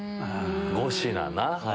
５品な。